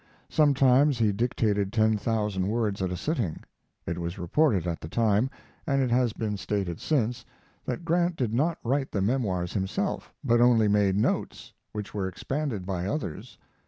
Sometimes he dictated ten thousand words at a sitting. It was reported at the time, and it has been stated since, that Grant did not write the Memoirs himself, but only made notes, which were expanded by others.